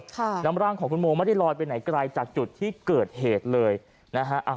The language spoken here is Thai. น้ำร่างของคุณโมไม่ได้ลอยไปไหนไกลจากจุดที่เกิดเหตุเลยนะฮะ